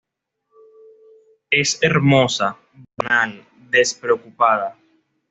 Es hermosa, banal, despreocupada.